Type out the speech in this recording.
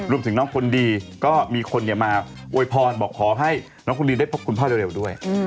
รวมถึงน้องคนดีก็มีคนมาโวยพรบอกขอให้น้องคุณลินได้พบคุณพ่อเร็วด้วย